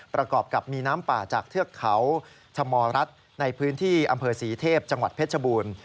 ประกอบกับมีน้ำป่าจากเทือกเขาชะมรัฐในพื้นที่อำเภอศรีเทพจังหวัดเพชรบูรณ์